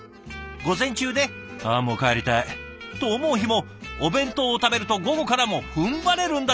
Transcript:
午前中で「あもう帰りたい」と思う日もお弁当を食べると午後からもふんばれるんだとか。